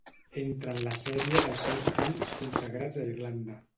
Entra en la sèrie dels seus films consagrats a Irlanda.